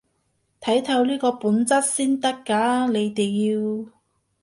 睇透呢個本質先得嘅，你哋要